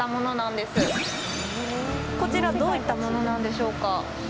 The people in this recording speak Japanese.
こちらどういったものなんでしょうか？